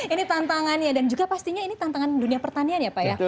ini tantangannya dan juga pastinya ini tantangan dunia pertanian ya pak ya